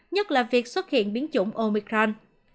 nhất là việc xuất hiện biến chủng omicron